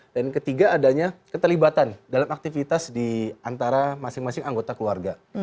dan ketiga adanya keterlibatan dalam aktivitas di antara masing masing anggota keluarga